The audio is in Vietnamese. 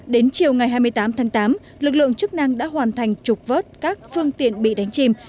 đến chiều ngày hai mươi tám tháng tám lực lượng chức năng đã hoàn thành trục vớt các phương tiện bị đánh chìm